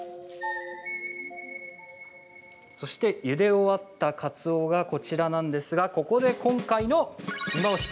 そして、ゆで終わったかつおが、こちらなんですがここで今回のいまオシ！